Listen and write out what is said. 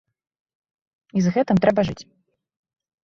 І з гэтым трэба жыць.